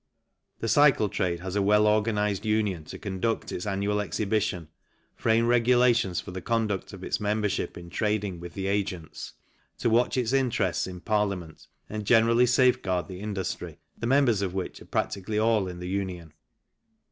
The cycle trade has a well organized Union to conduct its annual exhibition, frame regulations for the conduct of its membership in trading with the agents, to watch its interests in Parliament and generally safeguard the industry, the members of which are practically all in the Union.